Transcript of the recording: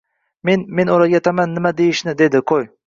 Mana, men oʻrgataman nima deyishni, dedi qoʻy